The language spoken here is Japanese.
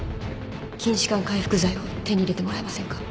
筋弛緩回復剤を手に入れてもらえませんか？